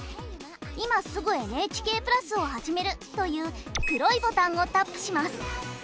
「今すぐＮＨＫプラスをはじめる」という黒いボタンをタップします。